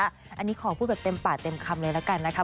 อันนี้ขอพูดแบบเต็มปากเต็มคำเลยละกันนะคะ